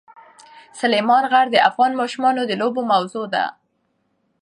سلیمان غر د افغان ماشومانو د لوبو موضوع ده.